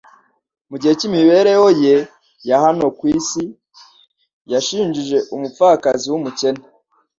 Mu gihe cy'imibereho ye ya hano ku isi yashinjije umupfakazi w'umukene